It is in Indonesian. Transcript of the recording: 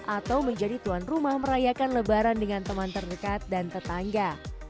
atau menjadi tuan rumah merayakan lebaran dengan teman terdekat dan tetangga